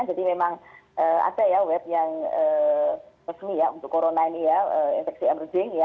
jadi memang ada ya web yang resmi ya untuk corona ini ya infeksi emerging ya